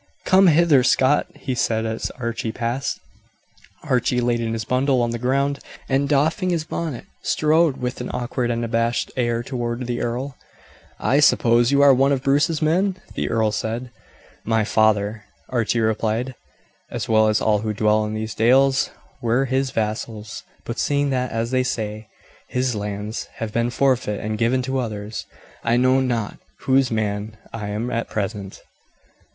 "Come hither, Scot," he said as Archie passed. Archie laid his bundle on the ground, and doffing his bonnet strode with an awkward and abashed air toward the earl. "I suppose you are one of Bruce's men?" the earl said. "My father," Archie replied, "as well as all who dwell in these dales, were his vassals; but seeing that, as they say, his lands have been forfeit and given to others, I know not whose man I am at present."